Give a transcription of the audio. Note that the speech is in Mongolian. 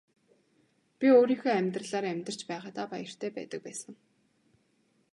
Би өөрийнхөө амьдралаар амьдарч байгаадаа баяртай байдаг байсан.